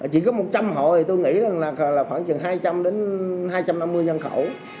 chỉ có một trăm linh hộ thì tôi nghĩ là khoảng chừng hai trăm linh đến hai trăm năm mươi nhân khẩu